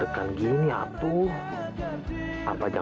maka kamu juga memerlukan kesan